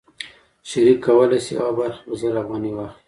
شریک کولی شي یوه برخه په زر افغانۍ واخلي